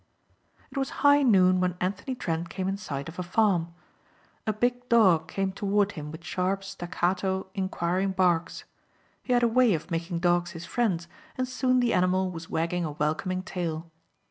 It was high noon when Anthony Trent came in sight of a farm. A big dog came toward him with sharp, staccato inquiring barks. He had a way of making dogs his friends and soon the animal was wagging a welcoming tail.